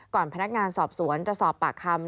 พนักงานสอบสวนจะสอบปากคำ